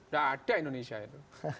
gak ada indonesia itu